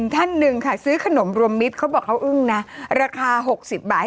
ท่านหนึ่งค่ะซื้อขนมรวมมิตรเขาบอกเขาอึ้งนะราคา๖๐บาท